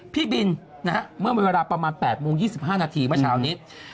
พี่บินนะฮะเมื่อเวลาประมาณ๘โมง๒๕นาทีเมื่อเช้านี้